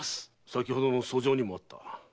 先ほどの訴状にもあったな。